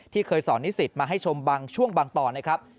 ที่เคยสอนนิสิทธิ์มาให้ชมบังช่วงบังตอนนะครับ